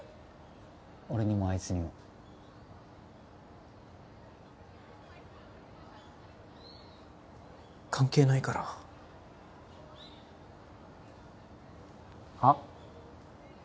俺にもあいつにも関係ないからはあ？